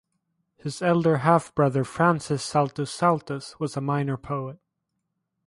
His elder half-brother Francis Saltus Saltus was a minor poet.